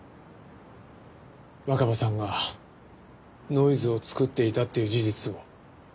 若葉さんがノイズを作っていたっていう事実を隠すために。